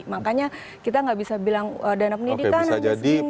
makanya kita nggak bisa bilang dana pendidikan yang di sini gitu